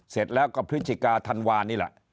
เสร็จแล้วก็พฤษฐกาธรรมวาฯนี่แหละ